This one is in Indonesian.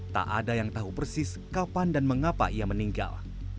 tak ada yang tahu persis kapan dan mengapa ia meninggal